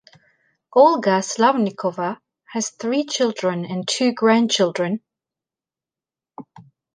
Olga Slavnikova has three children and two grandchildren.